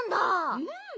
うん。